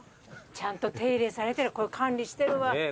ちゃんと手入れされてる管理してるわ。